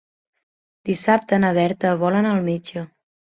Dissabte na Berta vol anar al metge.